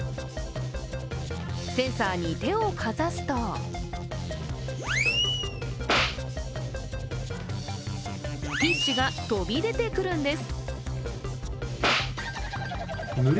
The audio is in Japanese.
センサーに手をかざすとティッシュが飛び出てくるんです。